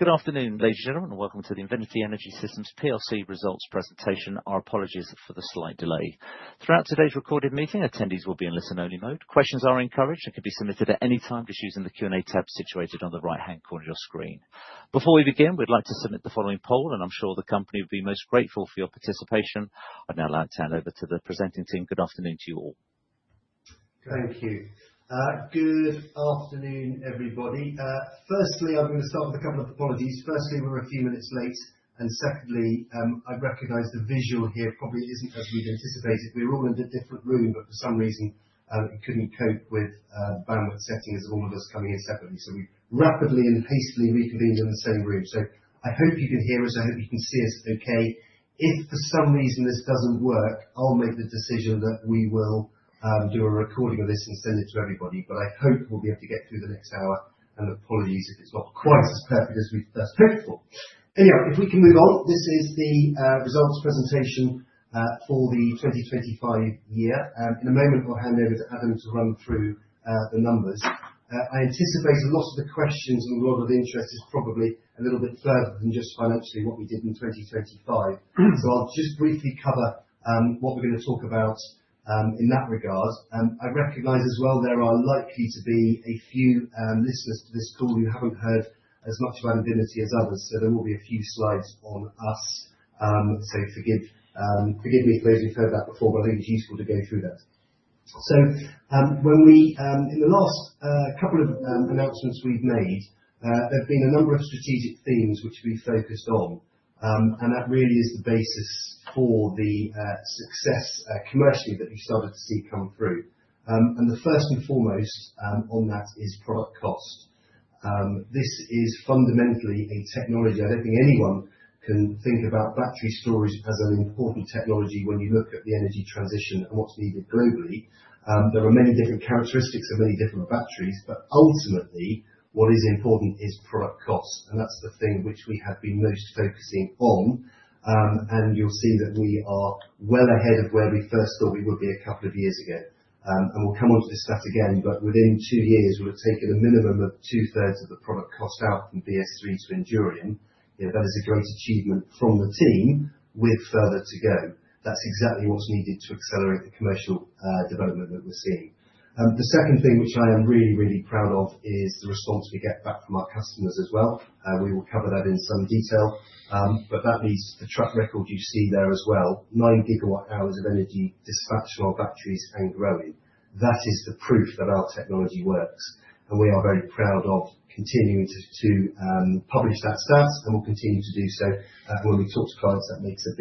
Good afternoon, ladies and gentlemen. Welcome to the Invinity Energy Systems plc results presentation. Our apologies for the slight delay. Throughout today's recorded meeting, attendees will be in listen-only mode. Questions are encouraged and can be submitted at any time just using the Q&A tab situated on the right-hand corner of your screen. Before we begin, we'd like to submit the following poll, and I'm sure the company will be most grateful for your participation. I'd now like to hand over to the presenting team. Good afternoon to you all. Thank you. Good afternoon, everybody. Firstly, I'm going to start with a couple of apologies. Firstly, we're a few minutes late, and secondly, I recognize the visual here probably isn't as we'd anticipated. We're all in a different room, for some reason, it couldn't cope with bandwidth settings, all of us coming in separately. We rapidly and hastily reconvened in the same room. I hope you can hear us, I hope you can see us okay. If for some reason this doesn't work, I'll make the decision that we will do a recording of this and send it to everybody. I hope we'll be able to get through the next hour, and apologies if it's not quite as perfect as we'd first hoped for. Anyhow, if we can move on. This is the results presentation for the 2025 year. In a moment, we'll hand over to Adam to run through the numbers. I anticipate a lot of the questions and a lot of the interest is probably a little bit further than just financially what we did in 2025. I'll just briefly cover what we're going to talk about, in that regard. I recognize as well there are likely to be a few listeners to this call who haven't heard as much about Invinity as others, so there will be a few slides on us. Forgive me for those who've heard that before, but I think it's useful to go through that. In the last couple of announcements we've made, there have been a number of strategic themes which we focused on. That really is the basis for the success commercially that we started to see come through. The first and foremost on that is product cost. This is fundamentally a technology. I don't think anyone can think about battery storage as an important technology when you look at the energy transition and what's needed globally. There are many different characteristics of many different batteries, but ultimately, what is important is product cost, and that's the thing which we have been most focusing on. You'll see that we are well ahead of where we first thought we would be a couple of years ago. We'll come onto this stat again, but within two years, we'll have taken a minimum of two-thirds of the product cost out from VS3 to ENDURIUM. That is a great achievement from the team with further to go. That's exactly what's needed to accelerate the commercial development that we're seeing. The second thing which I am really, really proud of is the response we get back from our customers as well. We will cover that in some detail. That leads to the track record you see there as well, 9 gigawatt hours of energy dispatched from our batteries and growing. That is the proof that our technology works, and we are very proud of continuing to publish that stat, and we'll continue to do so. When we talk to clients, that makes a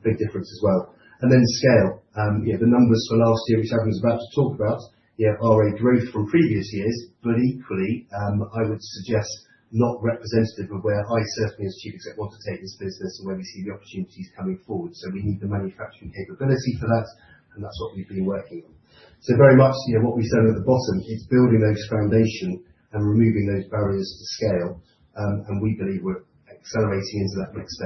big difference as well. Then scale. The numbers for last year, which Adam is about to talk about, are a growth from previous years, but equally, I would suggest not representative of where I certainly, as chief exec, want to take this business and where we see the opportunities coming forward. We need the manufacturing capability for that, and that's what we've been working on. Very much, what we said at the bottom, it's building those foundations and removing those barriers to scale. We believe we're accelerating into that next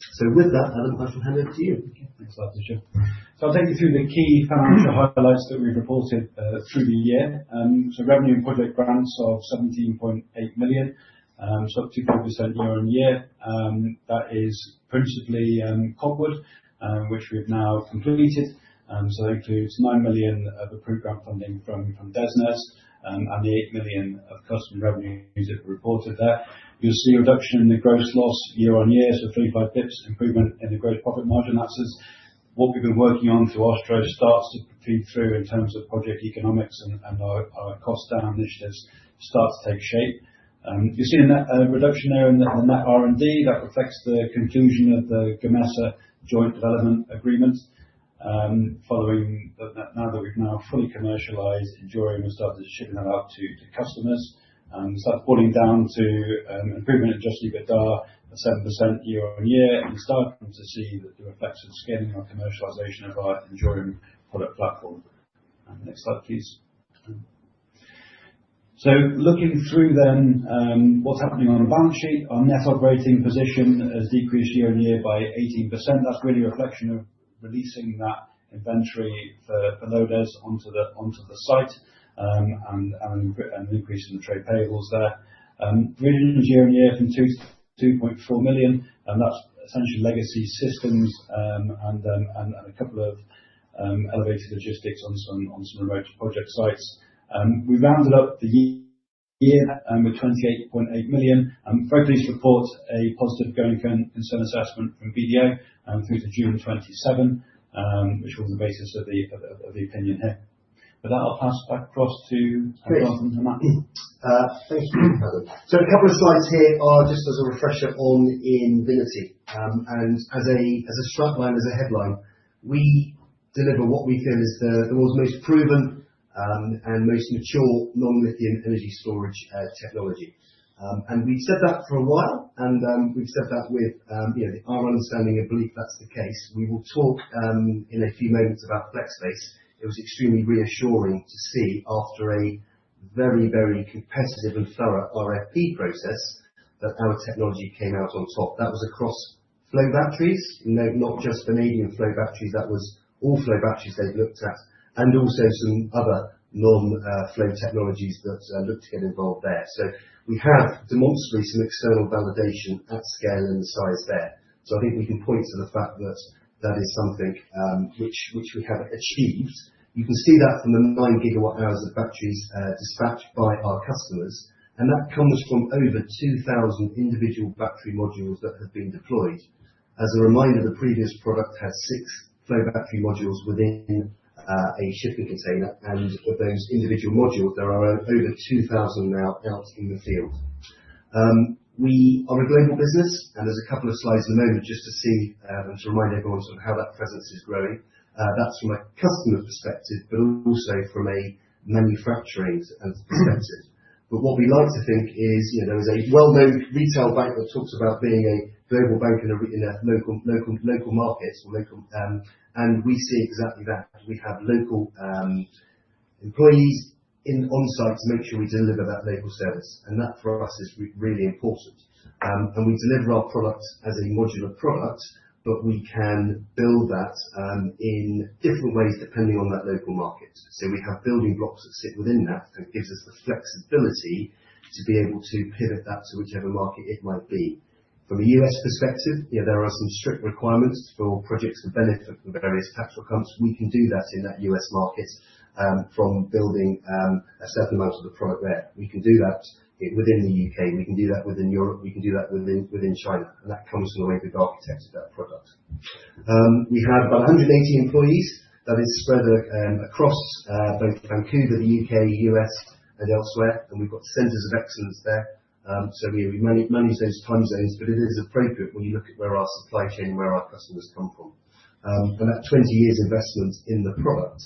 phase. With that, Adam, I shall hand over to you. Thanks a lot, Richard. I'll take you through the key financial highlights that we reported through the year. Revenue and public grants of 17.8 million, up 2% year-on-year. That is principally Copwood, which we've now completed. That includes 9 million of approved grant funding from DESNZ, and the 8 million of custom revenues reported there. You'll see a reduction in the gross loss year-on-year, 35 basis points improvement in the gross profit margin. That's just what we've been working on through Australia starts to feed through in terms of project economics and our cost-down initiatives start to take shape. You're seeing a reduction there in net R&D. That reflects the conclusion of the Gamesa joint development agreement. Now that we've now fully commercialized ENDURIUM and started shipping that out to customers. That's boiling down to improvement adjusted EBITDA at 7% year-on-year. You're starting to see the reflected scaling on commercialization of our ENDURIUM product platform. Next slide, please. Looking through then what's happening on the balance sheet. Our net operating position has decreased year-on-year by 18%. That's really a reflection of releasing that inventory for LoDES onto the site, and an increase in trade payables there. Really year-on-year from 2.4 million, and that's essentially legacy systems and a couple of elevated logistics on some remote project sites. We rounded up the year with GBP 28.8 million and we're pleased to report a positive going concern assessment from BDO through to June 2027, which was the basis of the opinion here. With that I'll pass back across to Adam. Thank you, Adam. A couple of slides here are just as a refresher on Invinity. As a strap line, as a headline, we deliver what we feel is the world's most proven and most mature non-lithium energy storage technology. We've said that for a while, and we've said that with our understanding and belief that's the case. We will talk in a few moments about FlexBase. It was extremely reassuring to see after a very, very competitive and thorough RFP process that our technology came out on top. That was across flow batteries, not just vanadium flow batteries, that was all flow batteries they've looked at and also some other non-flow technologies that looked to get involved there. We have demonstrably some external validation at scale and the size there. I think we can point to the fact that is something which we have achieved. You can see that from the nine gigawatt-hours of batteries dispatched by our customers, and that comes from over 2,000 individual battery modules that have been deployed. As a reminder, the previous product had six flow battery modules within a shipping container, and of those individual modules, there are over 2,000 now out in the field. We are a global business, there's a couple of slides in a moment just to see and to remind everyone sort of how that presence is growing. That's from a customer's perspective, but also from a manufacturing perspective. What we like to think is, there is a well-known retail bank that talks about being a global bank in a local market, and we see exactly that. We have local employees on-site to make sure we deliver that local service, that for us is really important. We deliver our product as a modular product, but we can build that in different ways depending on that local market. We have building blocks that sit within that and gives us the flexibility to be able to pivot that to whichever market it might be. From a U.S. perspective, there are some strict requirements for projects that benefit from various tax outcomes. We can do that in that U.S. market, from building a certain amount of the product there. We can do that within the U.K., we can do that within Europe, we can do that within China, that comes from the way we've architected that product. We have 180 employees that is spread across both Vancouver, the U.K., U.S. and elsewhere, we've got centers of excellence there. We manage those time zones, but it is appropriate when you look at where our supply chain, where our customers come from. That 20 years investment in the product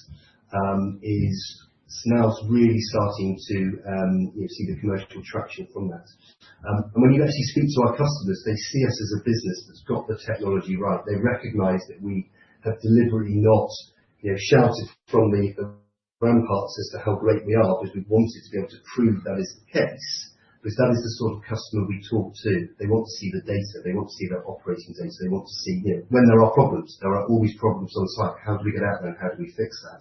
is now really starting to see the commercial traction from that. When you actually speak to our customers, they see us as a business that's got the technology right. They recognize that we have deliberately not shouted from the ramparts as to how great we are because we've wanted to be able to prove that is the case. That is the sort of customer we talk to. They want to see the data. They want to see the operating data. They want to see when there are problems. There are always problems on site. How do we get out there? How do we fix that?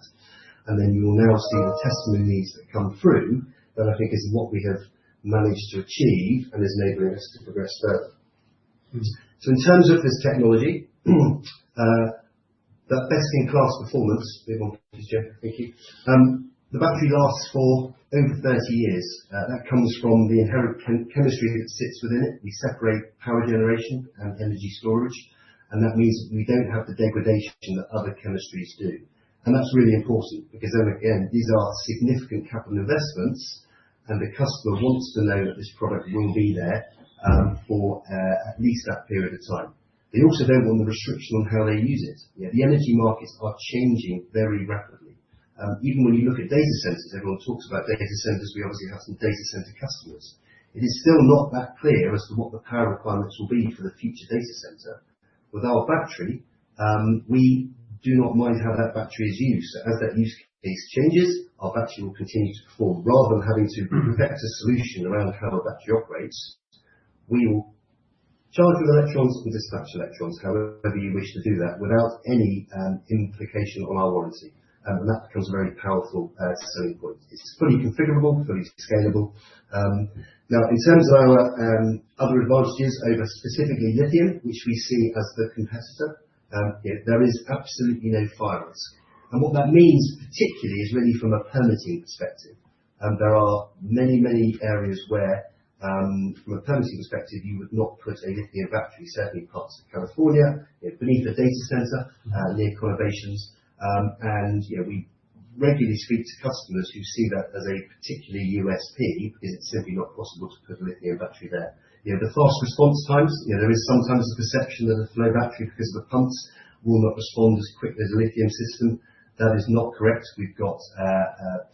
You will now see the testimonies that come through that I think is what we have managed to achieve and is enabling us to progress further. In terms of this technology, that best-in-class performance. Bit more please, Jeff. Thank you. The battery lasts for over 30 years. That comes from the inherent chemistry that sits within it. We separate power generation and energy storage, that means we don't have the degradation that other chemistries do. That's really important because then again, these are significant capital investments and the customer wants to know that this product will be there for at least that period of time. They also don't want the restriction on how they use it. The energy markets are changing very rapidly. Even when you look at data centers, everyone talks about data centers. We obviously have some data center customers. It is still not that clear as to what the power requirements will be for the future data center. With our battery, we do not mind how that battery is used. As that use case changes, our battery will continue to perform. Rather than having to affect a solution around how our battery operates, we will charge those electrons or dispatch electrons, however you wish to do that, without any implication on our warranty. That becomes a very powerful selling point. It is fully configurable, fully scalable. In terms of our other advantages over specifically lithium, which we see as the competitor, there is absolutely no fire risk. What that means particularly is really from a permitting perspective, there are many areas where, from a permitting perspective, you would not put a lithium battery, certainly parts of California, beneath a data center, near conurbations. We regularly speak to customers who see that as a particular USP, because it's simply not possible to put a lithium battery there. The fast response times, there is sometimes a perception that a flow battery, because of the pumps, will not respond as quickly as a lithium system. That is not correct. We've got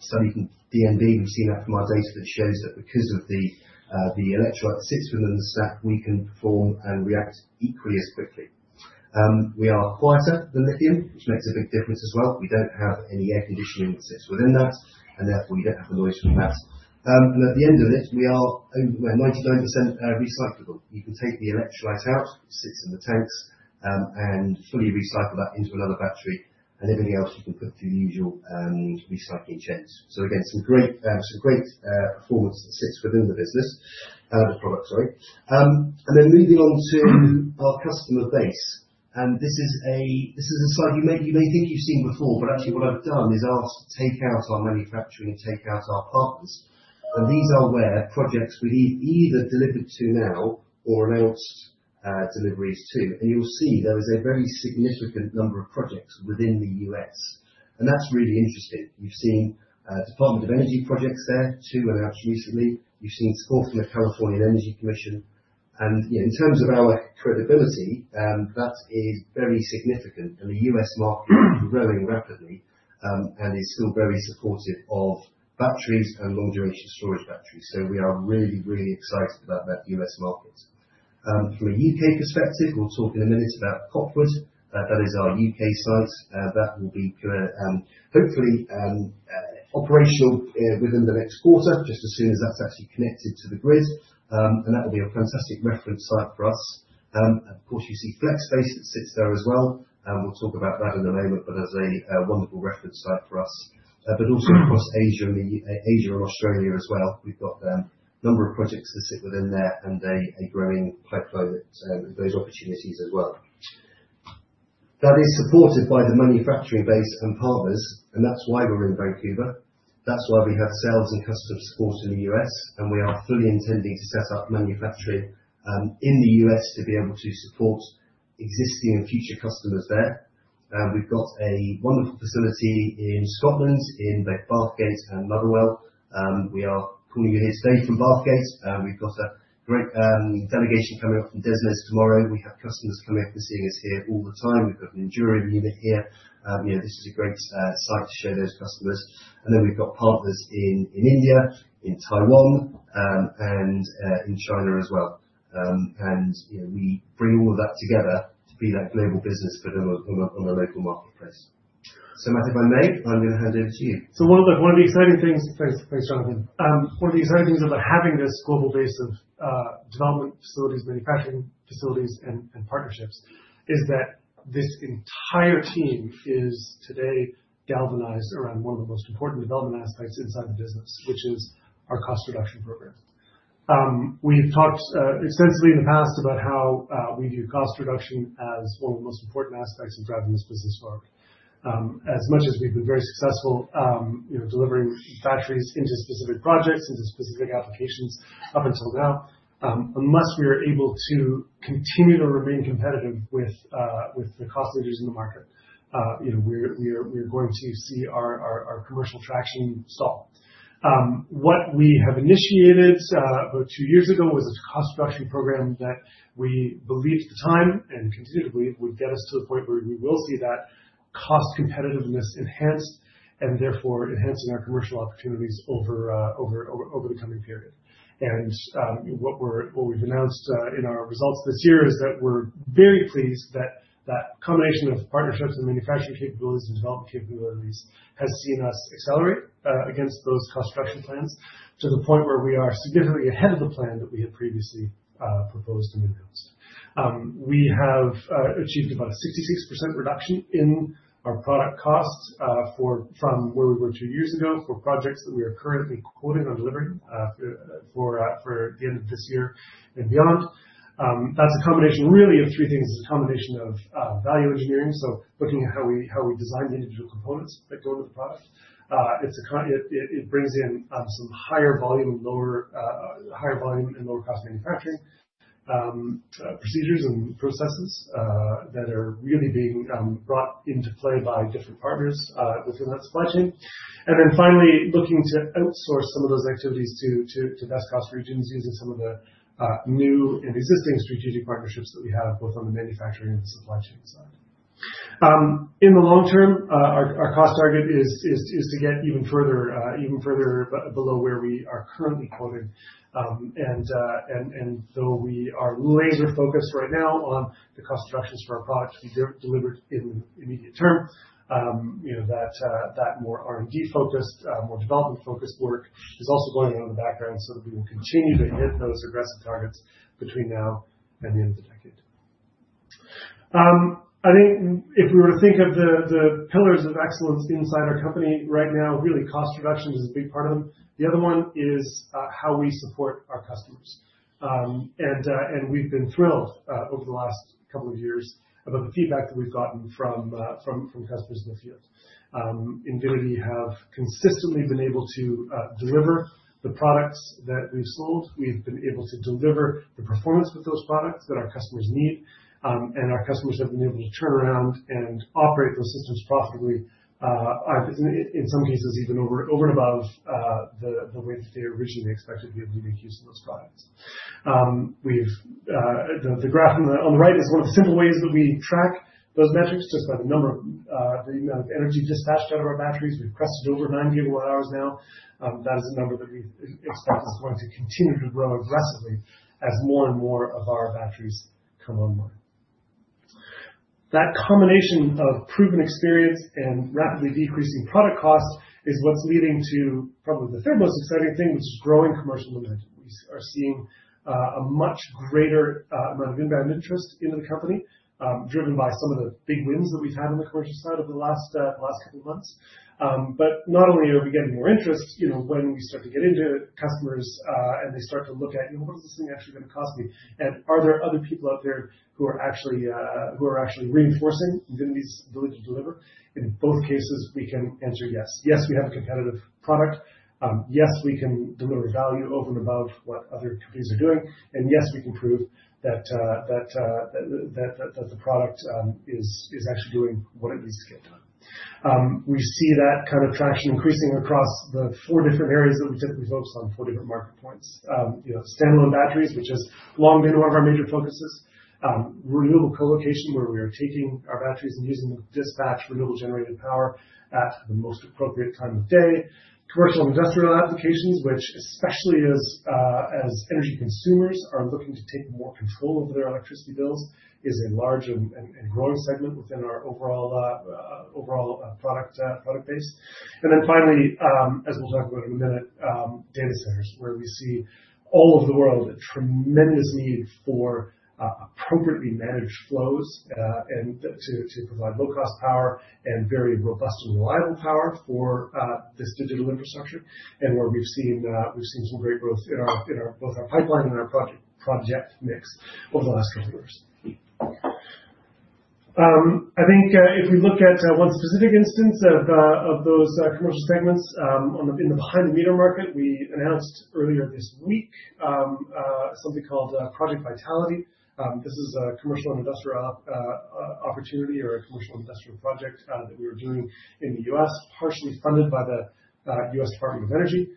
some from DNV. We've seen that from our data that shows that because of the electrolyte that sits within the SAC, we can perform and react equally as quickly. We are quieter than lithium, which makes a big difference as well. We don't have any air conditioning that sits within that, therefore we don't have the noise from that. At the end of it, we are 99% recyclable. You can take the electrolyte out, it sits in the tanks, and fully recycle that into another battery and everything else you can put through the usual recycling chains. Again, some great performance that sits within the business and the product, sorry. Moving on to our customer base. This is a slide you may think you've seen before, but actually what I've done is asked to take out our manufacturing and take out our partners. These are where projects we've either delivered to now or announced deliveries to. You'll see there is a very significant number of projects within the U.S., and that's really interesting. You've seen Department of Energy projects there, two announced recently. You've seen support from the California Energy Commission. In terms of our credibility, that is very significant and the U.S. market is growing rapidly, and is still very supportive of batteries and long-duration storage batteries. We are really excited about that U.S. market. From a U.K. perspective, we'll talk in a minute about Copwood. That is our U.K. site. That will be hopefully operational within the next quarter, just as soon as that's actually connected to the grid. That'll be a fantastic reference site for us. Of course, you see FlexBase that sits there as well, and we'll talk about that in a moment, but as a wonderful reference site for us. Across Asia and Australia as well. We've got a number of projects that sit within there and a growing pipeline of those opportunities as well. That is supported by the manufacturing base and partners, and that's why we're in Vancouver. That's why we have sales and customer support in the U.S., and we are fully intending to set up manufacturing in the U.S. to be able to support existing and future customers there. We've got a wonderful facility in Scotland in both Bathgate and Motherwell. We are calling you here today from Bathgate. We've got a great delegation coming up from DESNZ tomorrow. We have customers coming up and seeing us here all the time. We've got an ENDURIUM unit here. This is a great site to show those customers. Then we've got partners in India, in Taiwan, and in China as well. We bring all of that together to be that global business on a local marketplace. Matthew, if I may, I'm going to hand over to you. One of the exciting things, thanks, Jonathan. One of the exciting things about having this global base of development facilities, manufacturing facilities, and partnerships is that this entire team is today galvanized around one of the most important development aspects inside the business, which is our cost reduction program. We've talked extensively in the past about how we view cost reduction as one of the most important aspects of driving this business forward. As much as we've been very successful delivering batteries into specific projects, into specific applications up until now, unless we are able to continue to remain competitive with the cost leaders in the market, we're going to see our commercial traction stall. What we have initiated about two years ago was a cost reduction program that we believed at the time, and continue to believe, would get us to the point where we will see that cost competitiveness enhanced and therefore enhancing our commercial opportunities over the coming period. What we've announced in our results this year is that we're very pleased that that combination of partnerships and manufacturing capabilities and development capabilities has seen us accelerate against those cost reduction plans to the point where we are significantly ahead of the plan that we had previously proposed and announced. We have achieved about a 66% reduction in our product costs from where we were two years ago for projects that we are currently quoting on delivering for the end of this year and beyond. That's a combination really of three things. It's a combination of value engineering, so looking at how we design the individual components that go into the product. It brings in some higher volume and lower cost manufacturing, procedures and processes that are really being brought into play by different partners within that supply chain. Finally, looking to outsource some of those activities to best cost regions using some of the new and existing strategic partnerships that we have, both on the manufacturing and the supply chain side. In the long term, our cost target is to get even further below where we are currently quoting. We are laser-focused right now on the cost reductions for our product to be delivered in the immediate term. That more R&D-focused, more development-focused work is also going on in the background so that we will continue to hit those aggressive targets between now and the end of the decade. I think if we were to think of the pillars of excellence inside our company right now, really cost reduction is a big part of them. The other one is how we support our customers. We've been thrilled over the last couple of years about the feedback that we've gotten from customers in the field. Invinity have consistently been able to deliver the products that we've sold. We've been able to deliver the performance with those products that our customers need. Our customers have been able to turn around and operate those systems profitably, in some cases even over and above, the way that they originally expected to be able to make use of those products. The graph on the right is one of the simple ways that we track those metrics, just by the amount of energy dispatched out of our batteries. We've crested over 91 hours now. That is a number that we expect is going to continue to grow aggressively as more and more of our batteries come online. That combination of proven experience and rapidly decreasing product cost is what's leading to probably the third most exciting thing, which is growing commercial momentum. We are seeing a much greater amount of inbound interest into the company, driven by some of the big wins that we've had on the commercial side over the last couple of months. Not only are we getting more interest, when we start to get into customers and they start to look at, "Well, what is this thing actually going to cost me? Are there other people out there who are actually reinforcing Invinity's ability to deliver?" In both cases, we can answer yes. Yes, we have a competitive product. Yes, we can deliver value over and above what other companies are doing. Yes, we can prove that the product is actually doing what it needs to get done. We see that kind of traction increasing across the four different areas that we typically focus on, four different market points. Standalone batteries, which is long been one of our major focuses. Renewable co-location, where we are taking our batteries and using them to dispatch renewable generated power at the most appropriate time of day. Commercial and industrial applications, which especially as energy consumers are looking to take more control over their electricity bills, is a large and growing segment within our overall product base. Finally, as we'll talk about in a minute, data centers, where we see all over the world a tremendous need for appropriately managed flows, and to provide low-cost power and very robust and reliable power for this digital infrastructure. Where we've seen some great growth in both our pipeline and our project mix over the last couple of years. I think if we look at one specific instance of those commercial segments in the behind-the-meter market, we announced earlier this week, something called Project VITALITY. This is a commercial and industrial opportunity or a commercial industrial project that we are doing in the U.S., partially funded by the U.S. Department of Energy.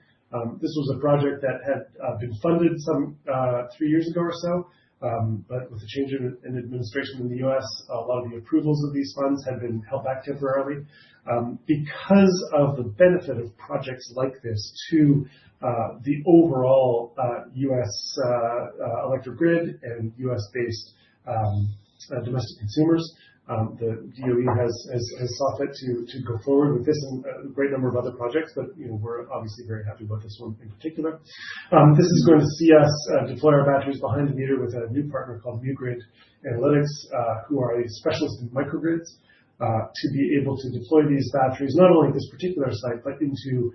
This was a project that had been funded some three years ago or so, but with the change in administration in the U.S., a lot of the approvals of these funds have been held back temporarily. Because of the benefit of projects like this to the overall U.S. electric grid and U.S.-based domestic consumers, the DOE has sought fit to go forward with this and a great number of other projects. We're obviously very happy about this one in particular. This is going to see us deploy our batteries behind the meter with a new partner called muGrid Analytics, who are a specialist in microgrids, to be able to deploy these batteries not only at this particular site, but into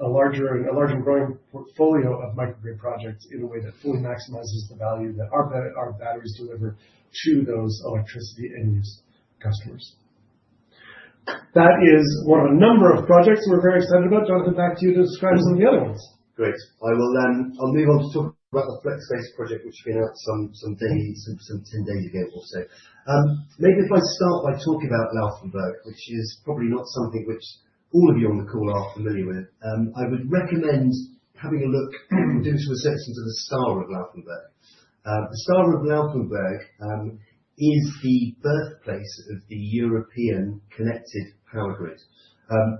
a larger and growing portfolio of microgrid projects in a way that fully maximizes the value that our batteries deliver to those electricity end-use customers. That is one of a number of projects we're very excited about. Jonathan, back to you to describe some of the other ones. Great. I'll move on to talk about the FlexBase project, which we announced some 10 days ago or so. Maybe if I start by talking about Laufenburg, which is probably not something which all of you on the call are familiar with. I would recommend having a look and doing some research into the Stadt of Laufenburg. The Stadt of Laufenburg is the birthplace of the European connected power grid.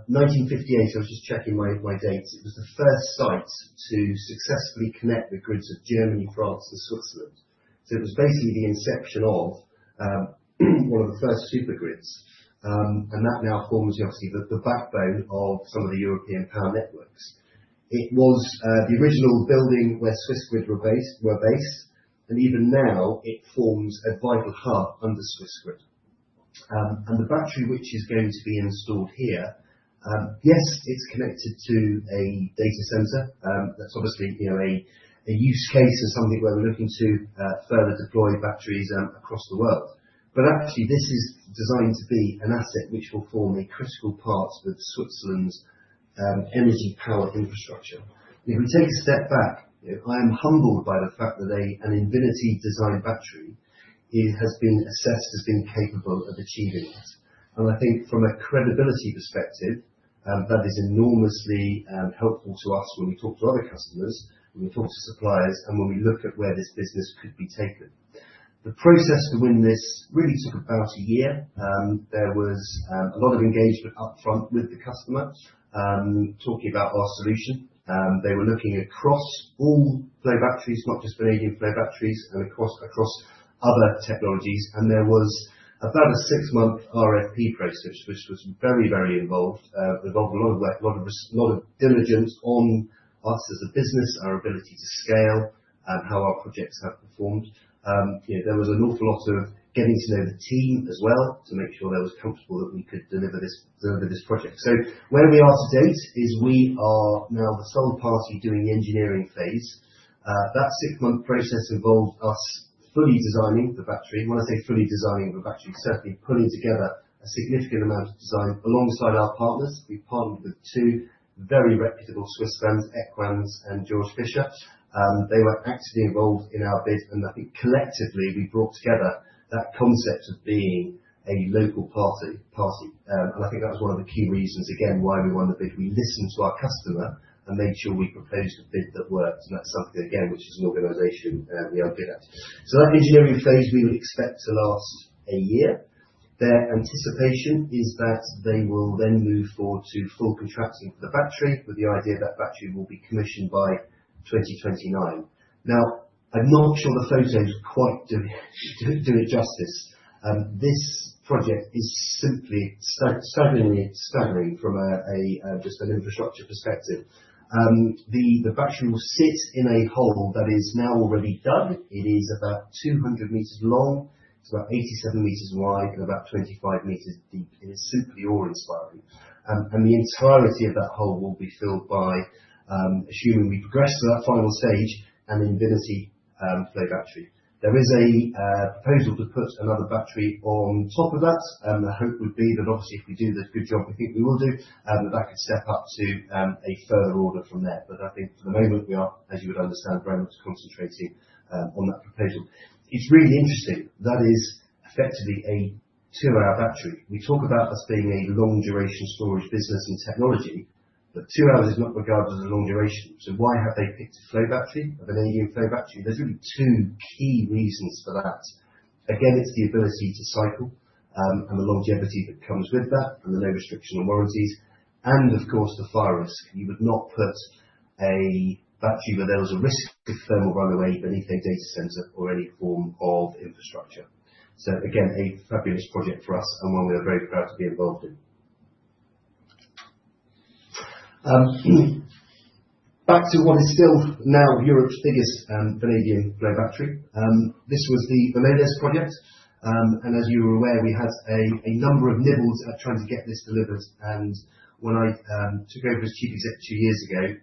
1958, I was just checking my dates. It was the first site to successfully connect the grids of Germany, France, and Switzerland. It was basically the inception of one of the first super grids, and that now forms obviously the backbone of some of the European power networks. It was the original building where Swissgrid were based, and even now it forms a vital heart under Swissgrid. The battery which is going to be installed here, yes, it is connected to a data center. That is obviously a use case and something where we are looking to further deploy batteries across the world. But actually, this is designed to be an asset which will form a critical part of Switzerland's energy power infrastructure. If we take a step back, I am humbled by the fact that an Invinity-designed battery has been assessed as being capable of achieving it. I think from a credibility perspective, that is enormously helpful to us when we talk to other customers, when we talk to suppliers, and when we look at where this business could be taken. The process to win this really took about 1 year. There was a lot of engagement upfront with the customer, talking about our solution. They were looking across all flow batteries, not just vanadium flow batteries, and across other technologies. There was about a six-month RFP process, which was very involved. It involved a lot of diligence on us as a business, our ability to scale, how our projects have performed. There was an awful lot of getting to know the team as well to make sure they was comfortable that we could deliver this project. So where we are to date is we are now the sole party doing the engineering phase. That six-month process involved us fully designing the battery. When I say fully designing the battery, certainly pulling together a significant amount of design alongside our partners. We partnered with two very reputable Swiss firms, Equans and Georg Fischer. They were actively involved in our bid, and I think collectively we brought together that concept of being a local party. I think that was one of the key reasons, again, why we won the bid. We listened to our customer and made sure we proposed a bid that worked. That is something, again, which as an organization we are good at. That engineering phase we would expect to last a year. Their anticipation is that they will then move forward to full contracting for the battery with the idea that battery will be commissioned by 2029. I am not sure the photos quite do it justice. This project is simply stunningly staggering from just an infrastructure perspective. The battery will sit in a hole that is now already dug. It is about 200 meters long. It is about 87 meters wide and about 25 meters deep. It is super awe-inspiring. The entirety of that hole will be filled by, assuming we progress to that final stage, an Invinity flow battery. There is a proposal to put another battery on top of that, and the hope would be that obviously if we do the good job I think we will do, that could step up to a further order from there. I think for the moment we are, as you would understand, very much concentrating on that proposal. It is really interesting. That is effectively a two-hour battery. We talk about us being a long-duration storage business and technology. But two hours is not regarded as a long duration. So why have they picked a flow battery, a vanadium flow battery? There is really two key reasons for that. Again, it is the ability to cycle, and the longevity that comes with that, and the no restriction on warranties. Of course, the fire risk. You would not put a battery where there was a risk of thermal runaway beneath a data center or any form of infrastructure. Again, a fabulous project for us and one we are very proud to be involved in. Back to what is still now Europe's biggest vanadium flow battery. This was the Copwood VFB Energy Hub. As you were aware, we had a number of nibbles at trying to get this delivered and when I took over as chief exec 2 years ago,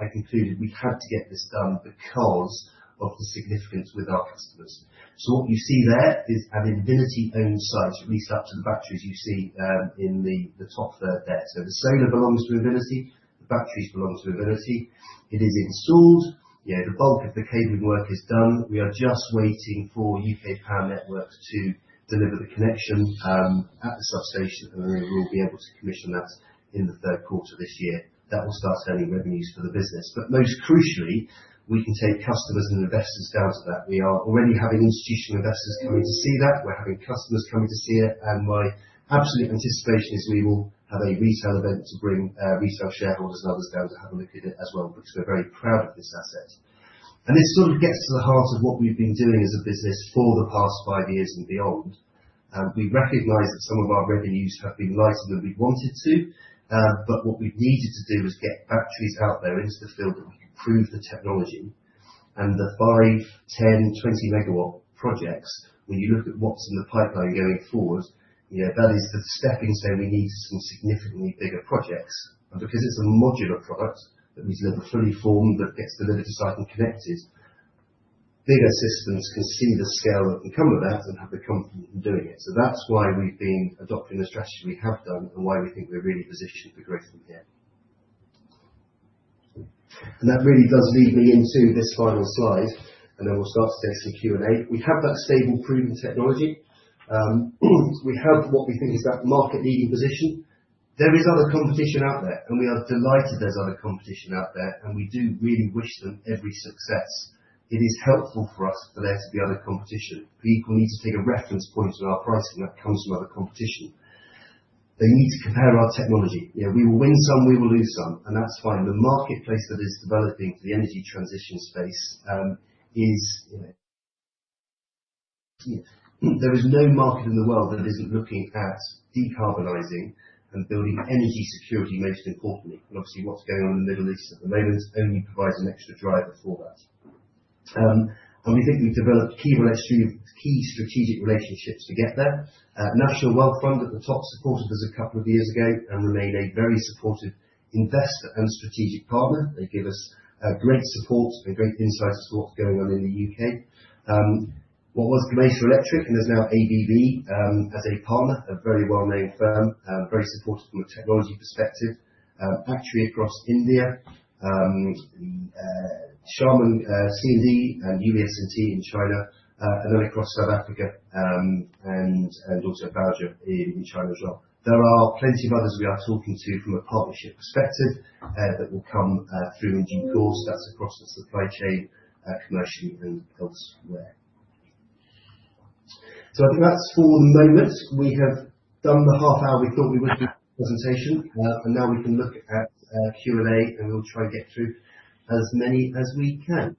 I concluded we had to get this done because of the significance with our customers. What you see there is an Invinity-owned site. These are actually the batteries you see in the top third there. The solar belongs to Invinity, the batteries belong to Invinity. It is installed, yet the bulk of the cabling work is done. We are just waiting for UK Power Networks to deliver the connection, at the substation, we will be able to commission that in the third quarter this year. That will start earning revenues for the business. Most crucially, we can take customers and investors down to that. We are already having institutional investors coming to see that. We're having customers coming to see it. My absolute anticipation is we will have a retail event to bring retail shareholders and others down to have a look at it as well, because we're very proud of this asset. This sort of gets to the heart of what we've been doing as a business for the past 5 years and beyond. We recognize that some of our revenues have been lighter than we wanted to. What we've needed to do is get batteries out there into the field, and we can prove the technology and the 5, 10, 20 megawatt projects. When you look at what's in the pipeline going forward, that is the stepping stone. We need some significantly bigger projects. Because it's a modular product that we deliver fully formed, that gets delivered to site and connected, bigger systems can see the scale that can come of that and have the confidence in doing it. That's why we've been adopting the strategy we have done and why we think we're really positioned for growth from here. That really does lead me into this final slide, then we'll start to take some Q&A. We have that stable, proven technology. We have what we think is that market-leading position. There is other competition out there, we are delighted there's other competition out there, we do really wish them every success. It is helpful for us for there to be other competition. People need to take a reference point on our pricing that comes from other competition. They need to compare our technology. We will win some, we will lose some, that's fine. The marketplace that is developing for the energy transition space. There is no market in the world that isn't looking at decarbonizing and building energy security most importantly. Obviously what's going on in the Middle East at the moment only provides an extra driver for that. We think we've developed key strategic relationships to get there. National Wealth Fund at the top supported us 2 years ago and remain a very supportive investor and strategic partner. They give us great support and great insight as to what's going on in the U.K. What was Gamesa Electric and is now ABB, as a partner, a very well-known firm, very supportive from a technology perspective, battery across India, Xiamen C&D and UBS&T in China, and then across South Africa, and also Belling in China as well. There are plenty of others we are talking to from a partnership perspective, that will come through in due course. That's across the supply chain, commercially and elsewhere. I think that's for the moment. We have done the half hour we thought we would do for this presentation. Now we can look at Q&A, and we'll try and get through as many as we can.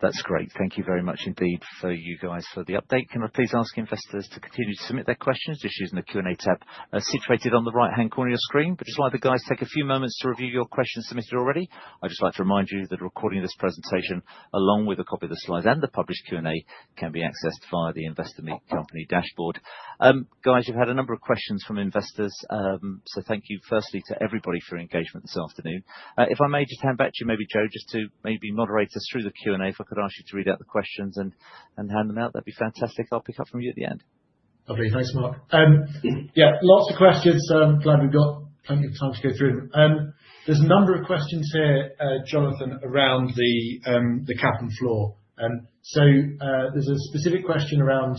That's great. Thank you very much indeed for you guys for the update. Can I please ask investors to continue to submit their questions just using the Q&A tab situated on the right-hand corner of your screen. I'd just like the guys take a few moments to review your questions submitted already. I'd just like to remind you that a recording of this presentation, along with a copy of the slides and the published Q&A, can be accessed via the Investor Meet Company dashboard. Guys, you've had a number of questions from investors, so thank you firstly to everybody for your engagement this afternoon. If I may just hand back to you, maybe Joe, just to maybe moderate us through the Q&A. If I could ask you to read out the questions and hand them out, that'd be fantastic. I'll pick up from you at the end. Lovely. Thanks, Mark. Lots of questions. Glad we've got plenty of time to go through them. There's a number of questions here, Jonathan, around the Cap and Floor. There's a specific question around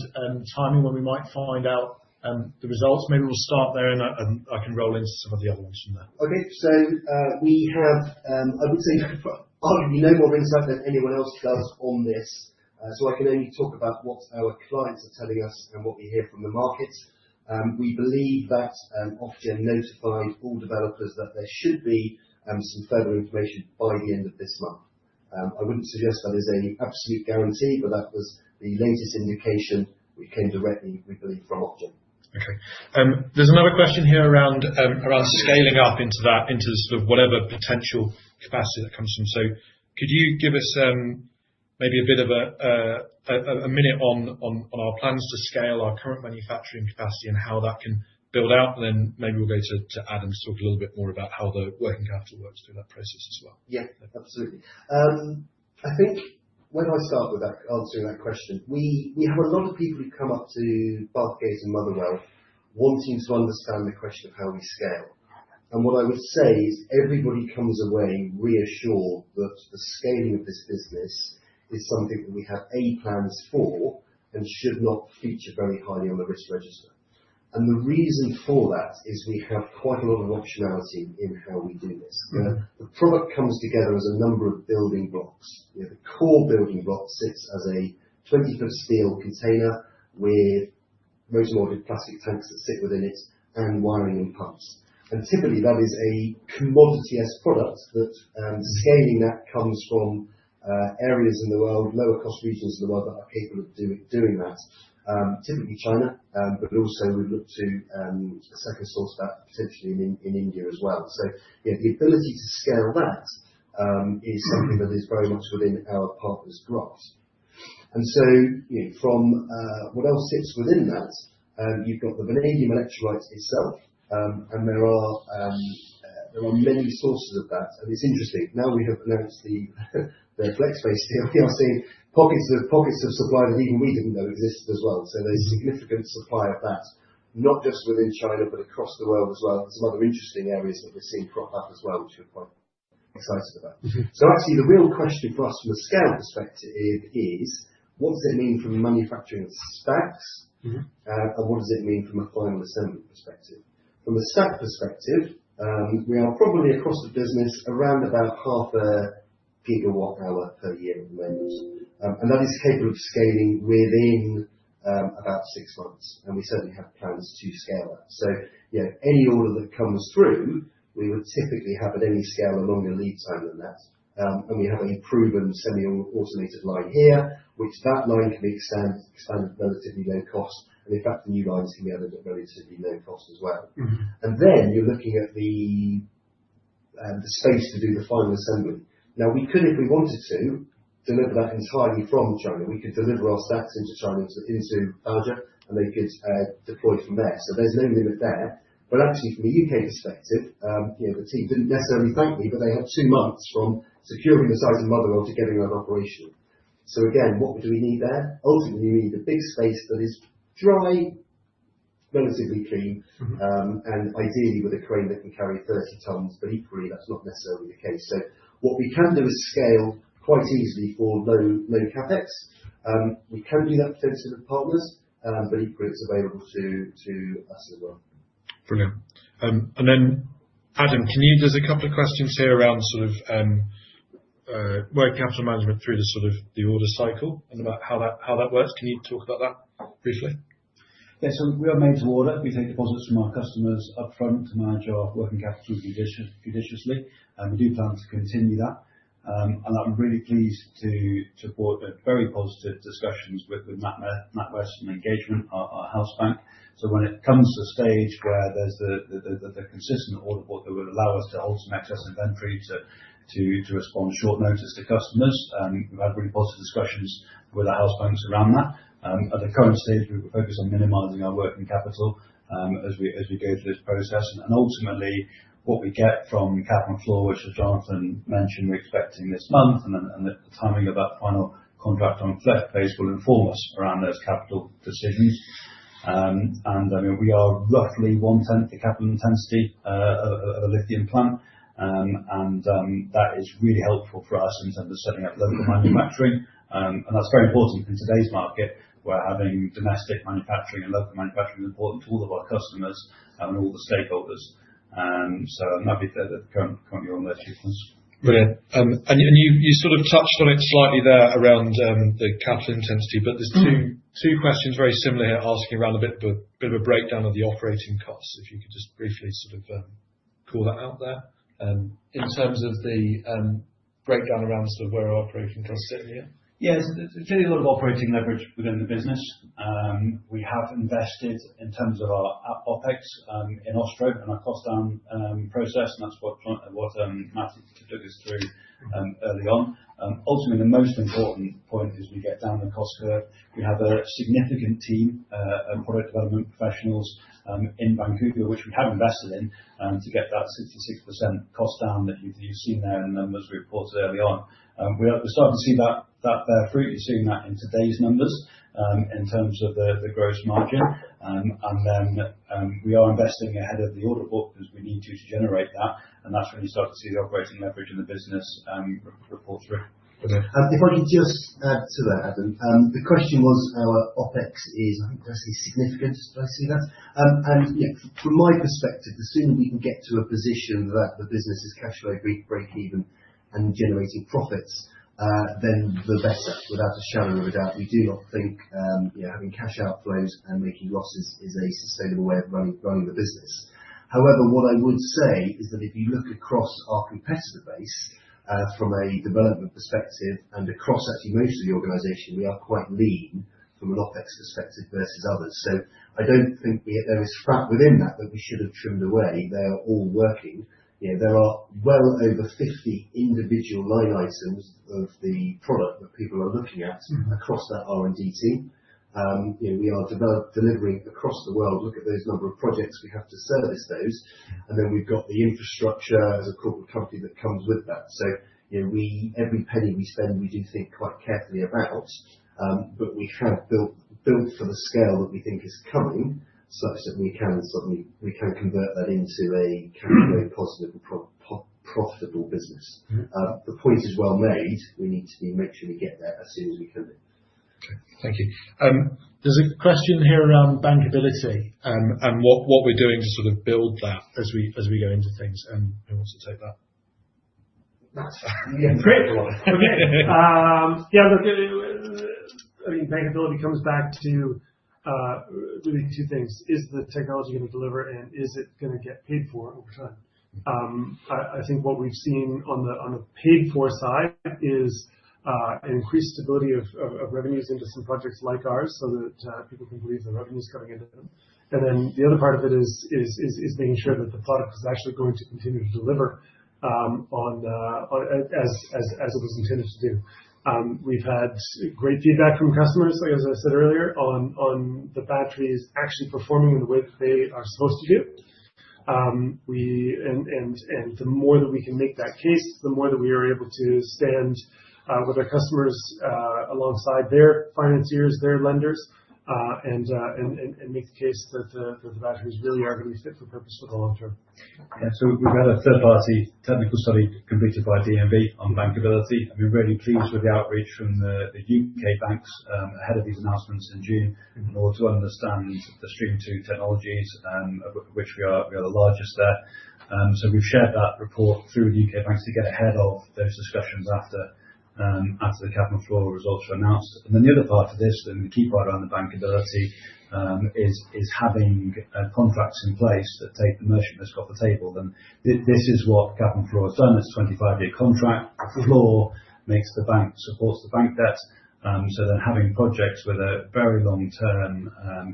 timing, when we might find out the results. Maybe we'll start there, and I can roll into some of the other ones from there. Okay. We have, I would say probably no more insight than anyone else does on this. I can only talk about what our clients are telling us and what we hear from the market. We believe that Ofgem notified all developers that there should be some further information by the end of this month. I wouldn't suggest that as an absolute guarantee, but that was the latest indication which came directly, we believe, from Ofgem. Okay. There's another question here around scaling up into whatever potential capacity that comes from. Could you give us maybe a bit of a minute on our plans to scale our current manufacturing capacity and how that can build out? Then maybe we'll go to Adam to talk a little bit more about how the working capital works through that process as well. Absolutely. I think where do I start with answering that question? We have a lot of people who come up to both Bathgate and Motherwell wanting to understand the question of how we scale. What I would say is everybody comes away reassured that the scaling of this business is something that we have, A, plans for and should not feature very highly on the risk register. The reason for that is we have quite a lot of optionality in how we do this. The product comes together as a number of building blocks. The core building block sits as a 20-foot steel container with roto-molded plastic tanks that sit within it and wiring and pumps. Typically, that is a commodity-esque product that scaling that comes from areas in the world, lower cost regions of the world that are capable of doing that. Typically China, but also we look to second source that potentially in India as well. The ability to scale that is something that is very much within our partners' grasp. From what else sits within that, you've got the vanadium electrolytes itself. There are many sources of that, and it's interesting. Now we have announced the FlexBase here, we are seeing pockets of supply of vanadium that exist as well. There's significant supply of that, not just within China but across the world as well. There's some other interesting areas that we're seeing crop up as well, which we're quite excited about. Actually, the real question for us from a scale perspective is, what does it mean from a manufacturing stacks? What does it mean from a final assembly perspective? From a stack perspective, we are probably across the business around about half a gigawatt hour per year at the moment. That is capable of scaling within about six months, and we certainly have plans to scale that. Any order that comes through, we would typically have at any scale a longer lead time than that. We have a proven semi-automated line here, which that line can be expanded at relatively low cost. In fact, the new lines can be added at relatively low cost as well. You're looking at the space to do the final assembly. We could, if we wanted to, deliver that entirely from China. We could deliver our stacks into China, into Belgium, and they could deploy from there. There's no limit there. Actually, from the U.K. perspective, the team didn't necessarily thank me, but they had 2 months from securing the site in Motherwell to getting that operation. Again, what do we need there? Ultimately, we need a big space that is dry, relatively clean. Ideally with a crane that can carry 30 tons. Equally, that's not necessarily the case. What we can do is scale quite easily for low CapEx. We can do that potentially with partners, equally, it's available to us as well. Brilliant. Adam, there's a couple of questions here around working capital management through the order cycle and about how that works. Can you talk about that briefly? Yes, we are made to order. We take deposits from our customers upfront to manage our working capital judiciously. We do plan to continue that. I'm really pleased to report very positive discussions with NatWest and Engagement, our house bank. When it comes to the stage where there's the consistent order book that would allow us to hold some excess inventory to respond short notice to customers, we've had really positive discussions with the house banks around that. At the current stage, we're focused on minimizing our working capital as we go through this process. Ultimately, what we get from capital flow, which Jonathan mentioned, we're expecting this month, and then the timing of that final contract on FlexBase will inform us around those capital decisions. We are roughly one-tenth the capital intensity of a lithium plant, and that is really helpful for us in terms of setting up local manufacturing. That's very important in today's market, where having domestic manufacturing and local manufacturing is important to all of our customers and all the stakeholders. Happy there that currently on those two fronts. Brilliant. You sort of touched on it slightly there around the capital intensity, but there's two questions very similar here asking around a bit of a breakdown of the operating costs, if you could just briefly sort of call that out there in terms of the breakdown around where our operating costs sit here. Yes. There's really a lot of operating leverage within the business. We have invested in terms of our OpEx in Austria and our cost-down process, and that's what Matthew took us through early on. Ultimately, the most important point is we get down the cost curve. We have a significant team of product development professionals in Vancouver, which we have invested in, to get that 66% cost down that you've seen there in numbers we reported early on. We're starting to see that bear fruit. You're seeing that in today's numbers, in terms of the gross margin. Then we are investing ahead of the order book because we need to generate that, and that's when you start to see the operating leverage in the business report through. Okay. If I could just add to that, Adam. The question was our OpEx is, I think the word is significant. Did I see that? From my perspective, the sooner we can get to a position that the business is cash flow break even and generating profits, then the better, without a shadow of a doubt. We do not think having cash outflows and making losses is a sustainable way of running the business. However, what I would say is that if you look across our competitor base, from a development perspective and across actually most of the organization, we are quite lean from an OpEx perspective versus others. I don't think there is fat within that we should have trimmed away. They are all working. There are well over 50 individual line items of the product that people are looking at across that R&D team. We are delivering across the world. Look at those number of projects. We have to service those. We've got the infrastructure as a corporate company that comes with that. Every penny we spend, we do think quite carefully about, but we have built for the scale that we think is coming such that we can convert that into a cash flow positive and profitable business. The point is well made. We need to make sure we get there as soon as we can. Thank you. There's a question here around bankability, and what we're doing to build that as we go into things. Who wants to take that? Matt. Great. Okay. Bankability comes back to really two things: Is the technology going to deliver, and is it going to get paid for over time? I think what we've seen on the paid-for side is increased ability of revenues into some projects like ours, so that people can believe the revenue's coming into them. The other part of it is making sure that the product is actually going to continue to deliver as it was intended to do. We've had great feedback from customers, as I said earlier, on the batteries actually performing in the way that they are supposed to do. The more that we can make that case, the more that we are able to stand with our customers alongside their financiers, their lenders, and make the case that the batteries really are going to be fit for purpose for the long term. We've had a third-party technical study completed by DNV on bankability. We've been really pleased with the outreach from the U.K. banks ahead of these announcements in June in order to understand the stream 2 technologies of which we are the largest there. We've shared that report through the U.K. banks to get ahead of those discussions after the Cap and Floor results were announced. The other part of this, the key part around the bankability, is having contracts in place that take the merchant risk off the table, and this is what Cap and Floor has done. It's a 25-year contract. Cap and Floor supports the bank debt. Having projects with a very long-term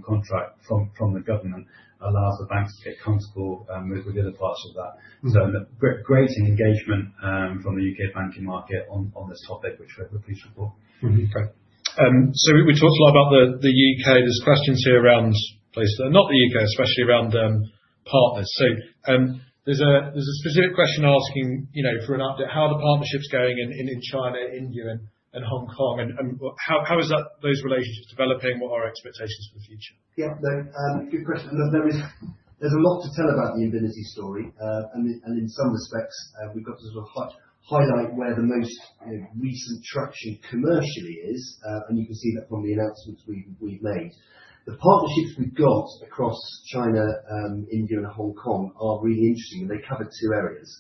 contract from the government allows the banks to get comfortable with the other parts of that. Great engagement from the U.K. banking market on this topic, which we're pleased with. Okay. We talked a lot about the U.K. There's questions here around place, not the U.K., especially around partners. There's a specific question asking for an update. How are the partnerships going in China, India, and Hong Kong? How are those relationships developing? What are our expectations for the future? Yeah. Good question. There's a lot to tell about the Invinity story. In some respects, we've got to highlight where the most recent traction commercially is, and you can see that from the announcements we've made. The partnerships we've got across China, India, and Hong Kong are really interesting, and they cover 2 areas.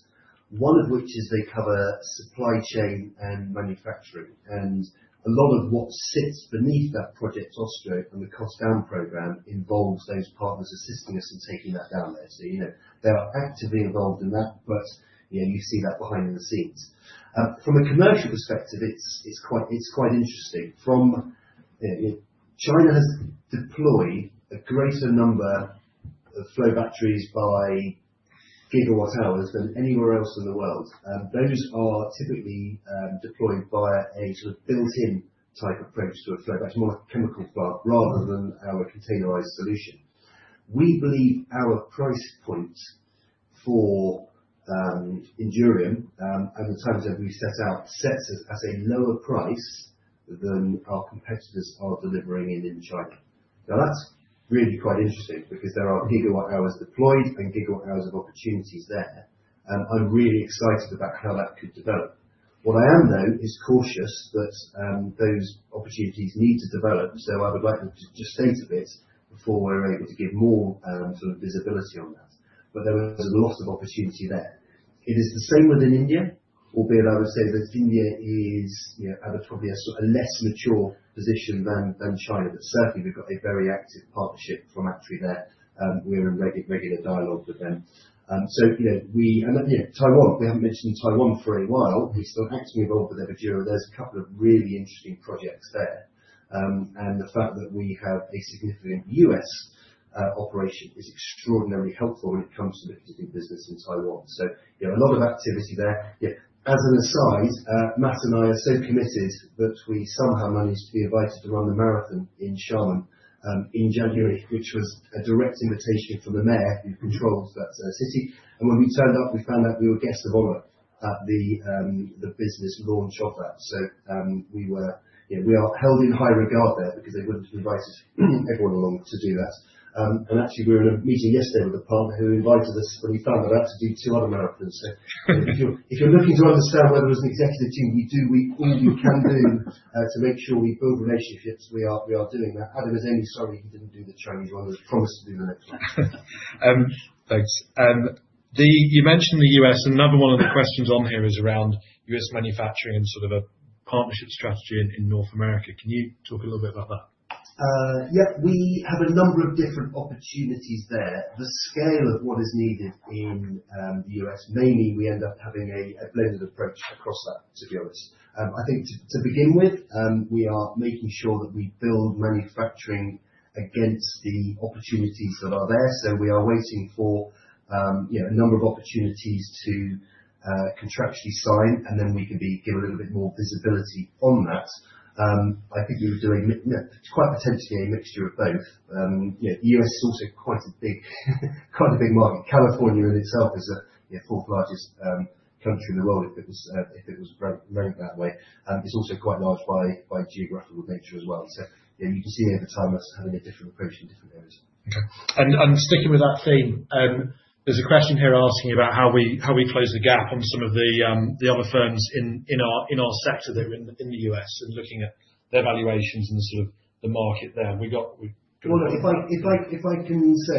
One of which is they cover supply chain and manufacturing. A lot of what sits beneath that project, Austria, and the cost down program involves those partners assisting us in taking that down there. They are actively involved in that, but you see that behind the scenes. From a commercial perspective, it's quite interesting. China has deployed a greater number of flow batteries by gigawatt hours than anywhere else in the world. Those are typically deployed via a built-in type approach to a flow battery, more chemical flow, rather than our containerized solution. We believe our price point for ENDURIUM, and the terms that we set out, sets us at a lower price than our competitors are delivering it in China. That's really quite interesting because there are gigawatt hours deployed and gigawatt hours of opportunities there. I'm really excited about how that could develop. What I am, though, is cautious that those opportunities need to develop, so I would like them to gestate a bit before we're able to give more visibility on that. There is a lot of opportunity there. It is the same within India, albeit I would say that India is at a probably a less mature position than China. Certainly, we've got a very active partnership from Atri Energy there. We're in regular dialogue with them. Taiwan, we haven't mentioned Taiwan for a while, we're still actively involved with Everdura. There's a couple of really interesting projects there. The fact that we have a significant U.S. operation is extraordinarily helpful when it comes to the visiting business in Taiwan. A lot of activity there. As an aside, Matt and I are so committed that we somehow managed to be invited to run the marathon in Xiamen in January, which was a direct invitation from the mayor who controls that city. When we turned up, we found out we were guests of honor at the business launch of that. We are held in high regard there because they wouldn't have invited everyone along to do that. We were in a meeting yesterday with a partner who invited us, when we found that out, to do two other marathons. If you're looking to understand whether as an executive team, we do all we can do to make sure we build relationships, we are doing that. Adam is only sorry he didn't do the Chinese one and promised to do the next one. Thanks. You mentioned the U.S., another one of the questions on here is around U.S. manufacturing and a partnership strategy in North America. Can you talk a little bit about that? Yeah. We have a number of different opportunities there. The scale of what is needed in the U.S., mainly we end up having a blended approach across that, to be honest. I think to begin with, we are making sure that we build manufacturing against the opportunities that are there. We are waiting for a number of opportunities to contractually sign, and then we can give a little bit more visibility on that. I think we're doing quite potentially a mixture of both. U.S. is also quite a big market. California in itself is the fourth largest country in the world, if it was ranked that way. It's also quite large by geographical nature as well. You can see over time us having a different approach in different areas. Okay. Sticking with that theme, there's a question here asking about how we close the gap on some of the other firms in our sector that are in the U.S. and looking at their valuations and the market there. We got. Well, look, if I can say,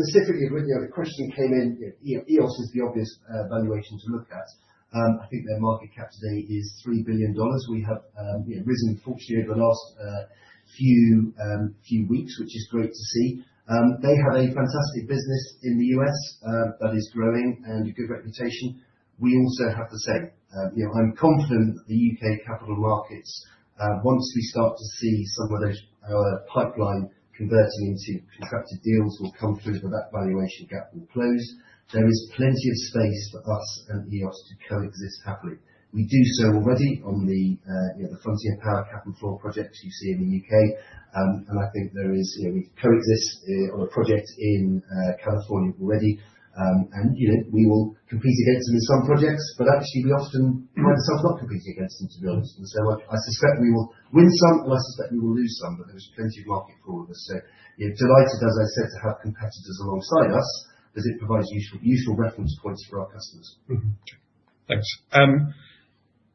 specifically with the question came in, Eos is the obvious valuation to look at. I think their market cap today is $3 billion. We have risen, fortunately, over the last. few weeks, which is great to see. They have a fantastic business in the U.S. that is growing and a good reputation. We also have the same. I'm confident that the U.K. capital markets, once we start to see some of those pipeline converting into contracted deals will come through where that valuation gap will close. There is plenty of space for us and Eos to coexist happily. We do so already on the Frontier Power Cap and Floor projects you see in the U.K. I think we coexist on a project in California already. We will compete against them in some projects, but actually we often find ourselves not competing against them, to be honest. I suspect we will win some, and I suspect we will lose some, but there is plenty of market for all of us. Delighted, as I said, to have competitors alongside us as it provides useful reference points for our customers. Thanks.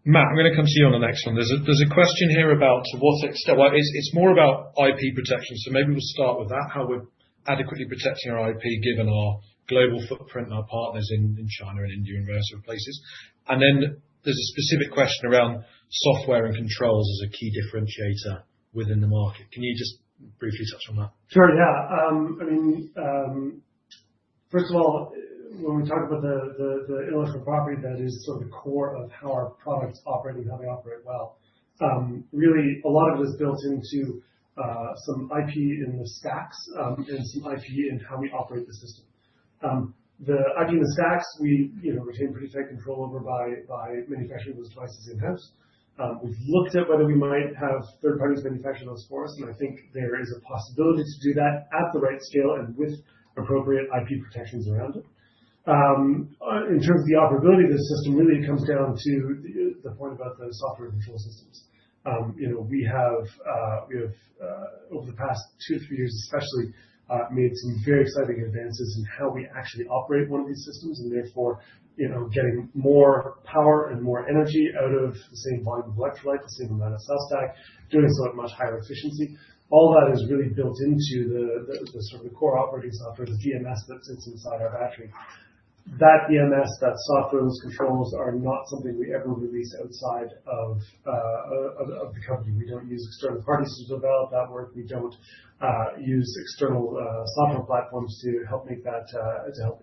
Matt, I'm going to come to you on the next one. There's a question here about what extent It's more about IP protection, so maybe we'll start with that, how we're adequately protecting our IP, given our global footprint and our partners in China and India and various other places. There's a specific question around software and controls as a key differentiator within the market. Can you just briefly touch on that? Sure. Yeah. First of all, when we talk about the intellectual property that is sort of the core of how our products operate and how they operate well, really a lot of it was built into some IP in the stacks and some IP in how we operate the system. The IP in the stacks we retain pretty tight control over by manufacturing those devices in-house. We've looked at whether we might have third parties manufacture those for us, and I think there is a possibility to do that at the right scale and with appropriate IP protections around it. In terms of the operability of the system, really it comes down to the point about the software control systems. We have, over the past 2-3 years especially, made some very exciting advances in how we actually operate one of these systems, and therefore getting more power and more energy out of the same volume of electrolyte, the same amount of cell stack, doing so at much higher efficiency. All that is really built into the core operating software, the BMS that sits inside our battery. That BMS, that software, those controls are not something we ever release outside of the company. We don't use external parties to develop that work. We don't use external software platforms to help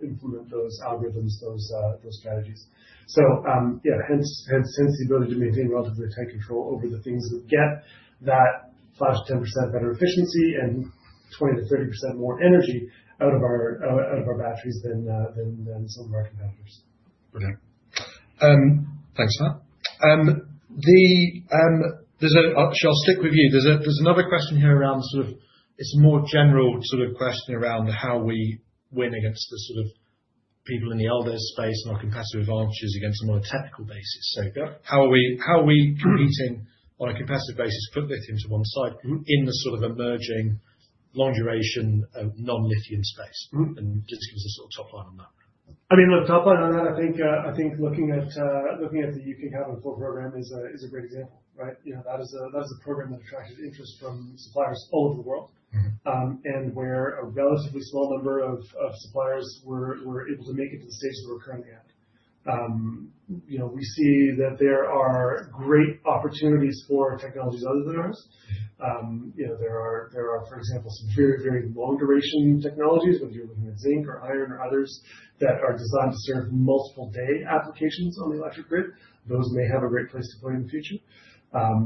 implement those algorithms, those strategies. Hence the ability to maintain relatively tight control over the things that get that 5%-10% better efficiency and 20%-30% more energy out of our batteries than some of our competitors. Brilliant. Thanks, Matt. Actually, I'll stick with you. There's another question here around, sort of, it's a more general question around how we win against the people in the older space and our competitive advantages against a more technical basis. Yeah. How are we competing on a competitive basis, put lithium to one side, in the sort of emerging long duration, non-lithium space? Just give us a sort of top line on that. The top line on that, I think, looking at the UK Capital Floor Program is a great example, right? That's a program that attracted interest from suppliers all over the world. Where a relatively small number of suppliers were able to make it to the stage that we're currently at. We see that there are great opportunities for technologies other than ours. There are, for example, some very, very long-duration technologies, whether you're looking at zinc or iron or others, that are designed to serve multiple-day applications on the electric grid. Those may have a great place to play in the future.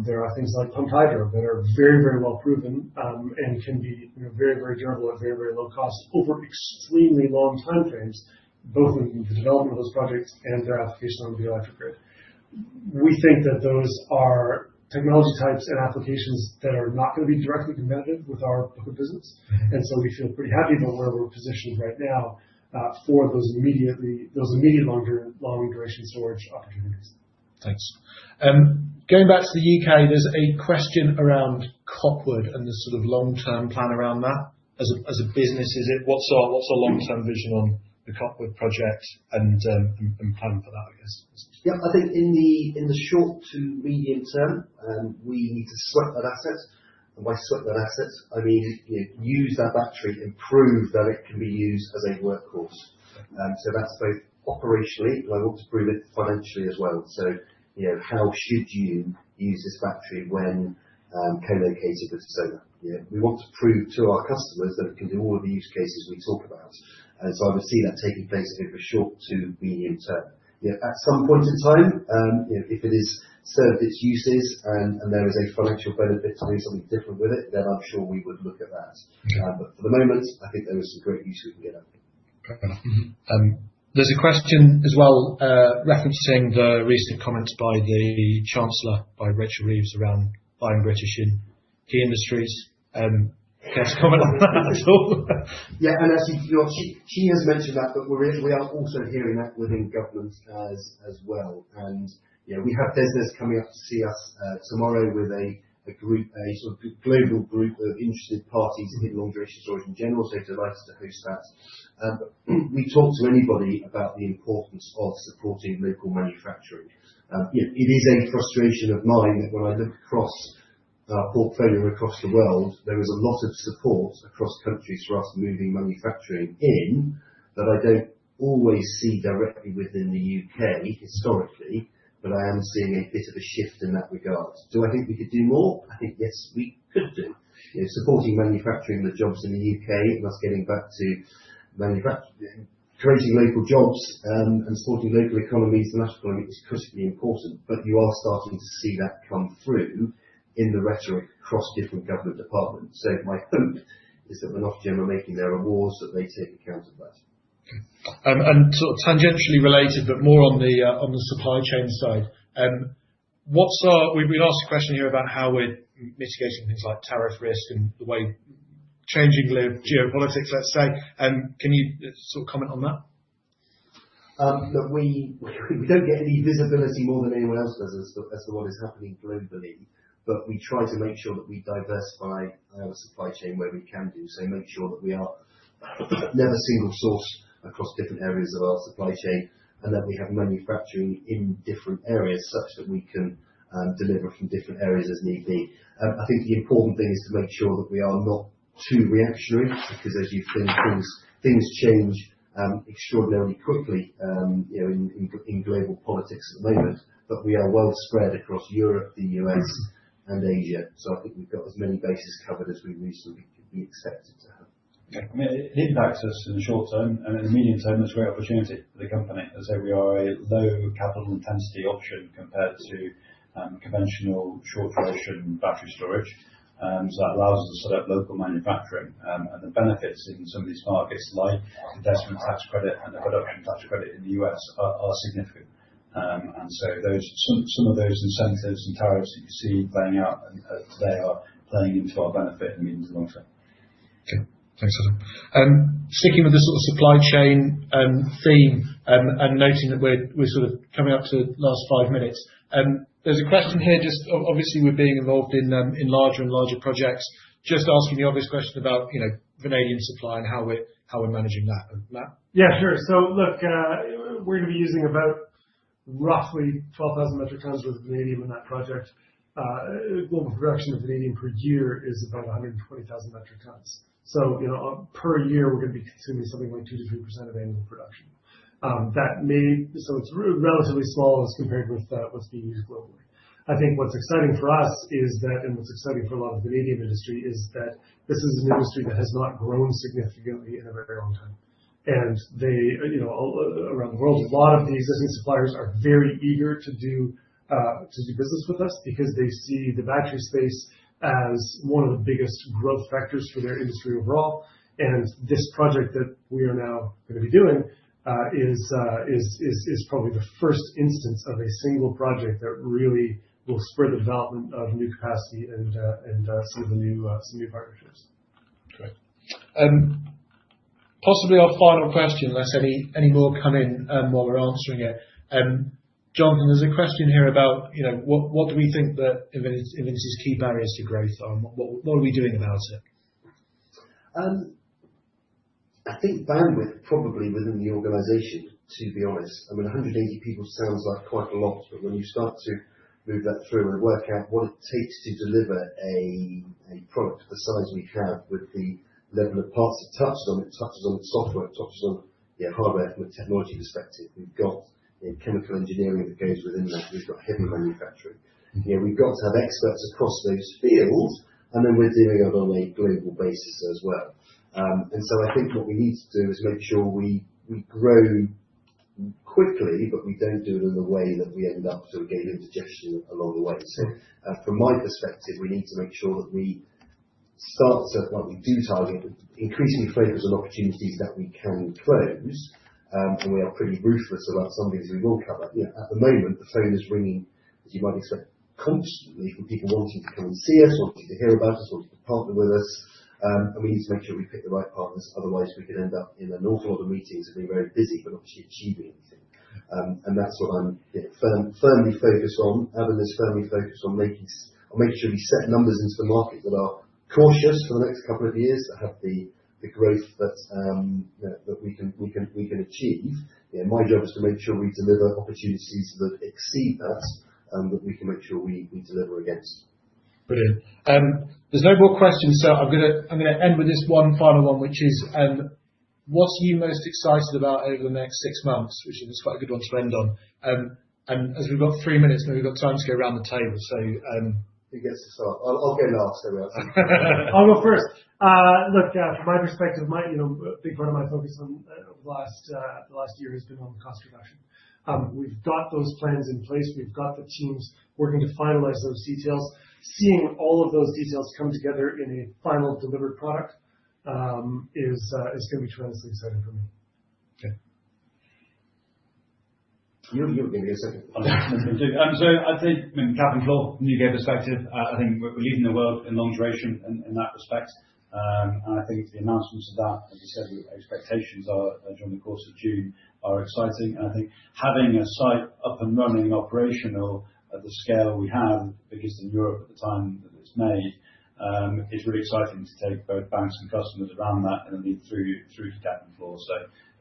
There are things like pumped hydro that are very, very well proven, and can be very, very durable at very, very low cost over extremely long time frames, both in the development of those projects and their application on the electric grid. We think that those are technology types and applications that are not going to be directly competitive with our book of business. We feel pretty happy about where we're positioned right now for those immediate longer long-duration storage opportunities. Thanks. Going back to the U.K., there's a question around Copwood and the long-term plan around that as a business unit. What's our long-term vision on the Copwood project and plan for that, I guess? Yeah. I think in the short to medium term, we need to sweat that asset. By sweat that asset, I mean use that battery and prove that it can be used as a workhorse. That's both operationally, but I want to prove it financially as well. How should you use this battery when co-located with solar? We want to prove to our customers that it can do all of the use cases we talk about. I would see that taking place over short to medium term. At some point in time, if it has served its uses and there is a financial benefit to doing something different with it, then I'm sure we would look at that. Okay. For the moment, I think there is some great use we can get out of it. Fair enough. There's a question as well referencing the recent comments by the Chancellor, by Rachel Reeves, around buying British in key industries. Care to comment on that at all? Actually she has mentioned that. We are also hearing that within government as well. We have business coming up to see us tomorrow with a group, a sort of global group of interested parties in long-duration storage in general, so delighted to host that. We talk to anybody about the importance of supporting local manufacturing. It is a frustration of mine that when I look across our portfolio across the world, there is a lot of support across countries for us moving manufacturing in that I don't always see directly within the U.K. historically. I am seeing a bit of a shift in that regard. Do I think we could do more? I think yes, we could do. Supporting manufacturing with jobs in the U.K. and us getting back to creating local jobs and supporting local economies and the national economy is critically important. You are starting to see that come through in the rhetoric across different government departments. My hope is that when Ofgem are making their awards, they take account of that. Tangentially related, but more on the supply chain side. We'll ask a question here about how we're mitigating things like tariff risk and the way changing geopolitics, let's say. Can you comment on that? Look, we don't get any visibility more than anyone else does as to what is happening globally, but we try to make sure that we diversify our supply chain where we can do so. Make sure that we are never single source across different areas of our supply chain and that we have manufacturing in different areas such that we can deliver from different areas as need be. I think the important thing is to make sure that we are not too reactionary, because as you've seen, things change extraordinarily quickly in global politics at the moment. We are well spread across Europe, the U.S., and Asia, I think we've got as many bases covered as we reasonably could be expected to have. It impacts us in the short term and in the medium term, it's a great opportunity for the company. As I say, we are a low capital intensity option compared to conventional short-duration battery storage. That allows us to set up local manufacturing. The benefits in some of these markets, like Investment Tax Credit and the Production Tax Credit in the U.S., are significant. Some of those incentives and tariffs that you see playing out, they are playing into our benefit in the medium to long term. Okay, thanks Adam. Sticking with the supply chain theme and noting that we're coming up to the last five minutes. There's a question here. Obviously we're being involved in larger and larger projects. Asking the obvious question about vanadium supply and how we're managing that. Matt? Yeah, sure. Look, we're going to be using about roughly 12,000 metric tons worth of vanadium in that project. Global production of vanadium per year is about 120,000 metric tons. Per year, we're going to be consuming something like 2%-3% of annual production. It's relatively small as compared with what's being used globally. I think what's exciting for us is that, what's exciting for a lot of the vanadium industry, is that this is an industry that has not grown significantly in a very long time. Around the world, a lot of the existing suppliers are very eager to do business with us because they see the battery space as one of the biggest growth factors for their industry overall. This project that we are now going to be doing, is probably the first instance of a single project that really will spur the development of new capacity and some new partnerships. Great. Possibly our final question, unless any more come in while we're answering it. Jon, there's a question here about what do we think that Invinity's key barriers to growth are, and what are we doing about it? I think bandwidth probably within the organization, to be honest. I mean, 180 people sounds like quite a lot, but when you start to move that through and work out what it takes to deliver a product of the size we have with the level of parts it touches on. It touches on software, it touches on hardware from a technology perspective. We've got chemical engineering that goes within that. We've got heavy manufacturing. We've got to have experts across those fields, and then we're doing it on a global basis as well. I think what we need to do is make sure we grow quickly, but we don't do it in a way that we end up getting indigestion along the way. From my perspective, we need to make sure that we start to, while we do target increasing flavors and opportunities that we can close, and we are pretty ruthless about some things we will cover. At the moment, the phone is ringing, as you might expect, constantly from people wanting to come and see us, wanting to hear about us, wanting to partner with us, and we need to make sure we pick the right partners. Otherwise, we could end up in an awful lot of meetings and be very busy, but not actually achieving anything. That's what I'm firmly focused on. Evelyn is firmly focused on making sure we set numbers into the market that are cautious for the next couple of years, that have the growth that we can achieve. My job is to make sure we deliver opportunities that exceed that and that we can make sure we deliver against. Brilliant. There's no more questions, I'm going to end with this one final one, which is: What are you most excited about over the next six months? Which is quite a good one to end on. As we've got three minutes now, we've got time to go around the table. Who gets to start? I'll go last, everyone. I'll go first. Look, from my perspective, a big part of my focus over the last year has been on cost reduction. We've got those plans in place. We've got the teams working to finalize those details. Seeing all of those details come together in a final delivered product is going to be tremendously exciting for me. Okay. You were going to go second. I was going to go second, too. I think, Cap and Floor from a U.K. perspective, I think we're leading the world in long-duration in that respect. I think the announcements of that, as you said, your expectations are during the course of June are exciting. I think having a site up and running operational at the scale we have, the biggest in Europe. It's really exciting to take both banks and customers around that and then through to Cap and Floor.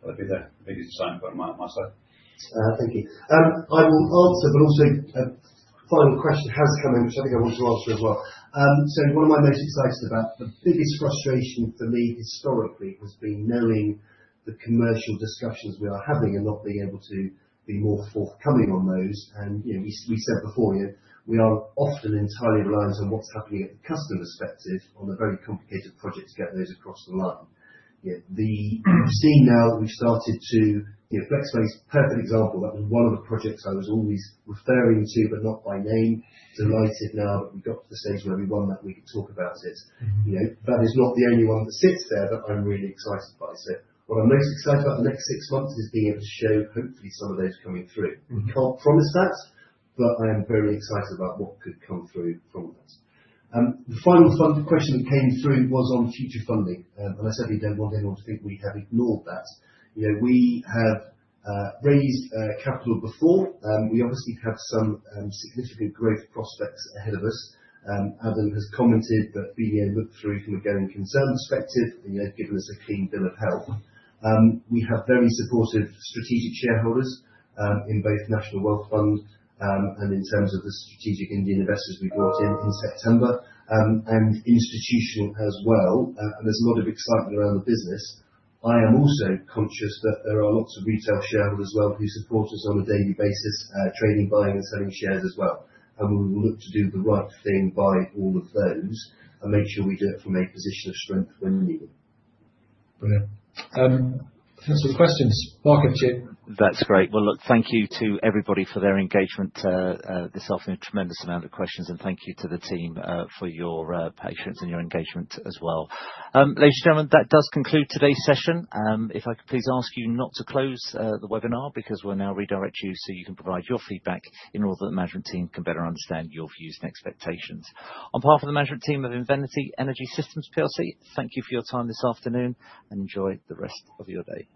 That'd be the biggest sign from my side. Thank you. I will answer, but also a final question has come in, which I think I want to answer as well. What am I most excited about? The biggest frustration for me historically has been knowing the commercial discussions we are having and not being able to be more forthcoming on those. We said before, we are often entirely reliant on what's happening at the customer perspective on a very complicated project to get those across the line. Seeing now that we've started. FlexBase is a perfect example. That was one of the projects I was always referring to, but not by name. Delighted now that we got to the stage where we won that, we can talk about it. That is not the only one that sits there that I'm really excited by. What I'm most excited about the next 6 months is being able to show hopefully some of those coming through. We can't promise that, but I am very excited about what could come through from this. The final question that came through was on future funding. I certainly don't want anyone to think we have ignored that. We have raised capital before. We obviously have some significantly great prospects ahead of us. Adam has commented that BDO looked through from a going concern perspective and they've given us a clean bill of health. We have very supportive strategic shareholders, in both National Wealth Fund, and in terms of the strategic Indian investors we brought in September, and institutional as well. There's a lot of excitement around the business. I am also conscious that there are lots of retail shareholders as well who support us on a daily basis, trading, buying and selling shares as well. We will look to do the right thing by all of those and make sure we do it from a position of strength when we need it. Brilliant. Let's have some questions. Mark, over to you. That's great. Well, look, thank you to everybody for their engagement this afternoon. A tremendous amount of questions, and thank you to the team for your patience and your engagement as well. Ladies and gentlemen, that does conclude today's session. If I could please ask you not to close the webinar because we'll now redirect you so you can provide your feedback in order that the management team can better understand your views and expectations. On behalf of the management team of Invinity Energy Systems plc, thank you for your time this afternoon and enjoy the rest of your day.